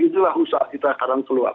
itulah usaha kita sekarang keluar